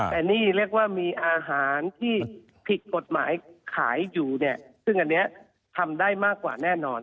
แต่นี่เรียกว่ามีอาหารที่ผิดกฎหมายขายอยู่เนี่ยซึ่งอันนี้ทำได้มากกว่าแน่นอน